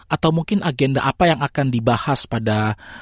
atau mungkin agenda apa yang akan dibahas pada